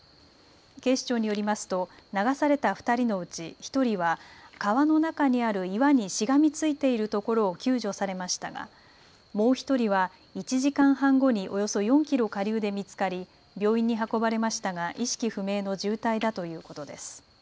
警視庁によりますと流された２人のうち１人は川の中にある岩にしがみついているところを救助されましたがもう１人は１時間半後におよそ４キロ下流で見つかり病院に運ばれましたが意識不明の重体だということです。